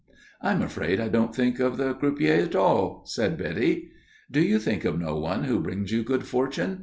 "I'm afraid I don't think of the croupier at all," said Betty. "Do you think of no one who brings you good fortune?"